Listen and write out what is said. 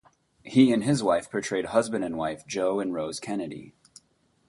He and his wife portrayed husband and wife Joe and Rose Kennedy.